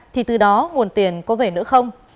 thì từ đó nguồn tiền có về nữa không